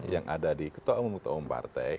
yang ada di ketua umum partai